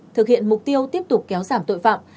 thực hiện mục tiêu tiếp tục kéo giảm tội phạm